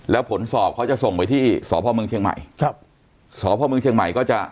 แล้วผลสอบเขาจะส่งไปที่สพเมืองเชียงใหม่ครับสพเมืองเชียงใหม่ก็จะ